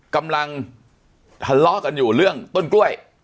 กำลังทะเลาะกันอยู่เรื่องต้นกล้วย